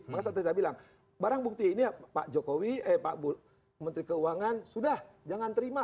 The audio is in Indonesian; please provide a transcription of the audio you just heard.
maka tadi saya bilang barang bukti ini pak jokowi eh pak menteri keuangan sudah jangan terima